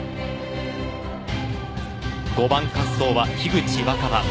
５番滑走は樋口新葉。